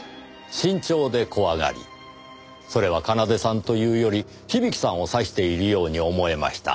慎重で怖がりそれは奏さんというより響さんを指しているように思えました。